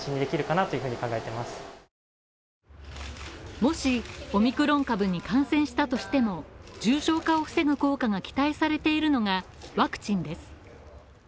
もしオミクロン株に感染したとしても重症化を防ぐ効果が期待されているのがワクチンです。